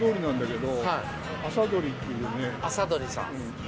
「麻鳥」さん。